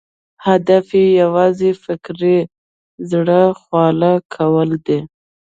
هدف یې یوازې فکري زړه خواله کول دي.